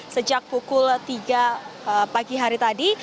sejak pukul tiga pagi hari tadi